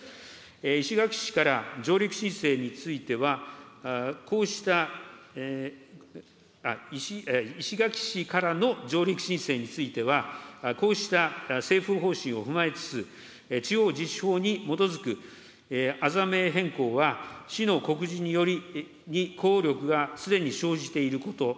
石垣市から上陸申請については、石垣市からの上陸申請については、こうした政府方針を踏まえつつ、地方自治法に基づくあざ名変更は、市の告示により、効力がすでに生じていること。